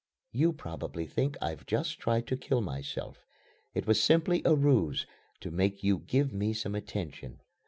"You probably think I've just tried to kill myself. It was simply a ruse to make you give me some attention.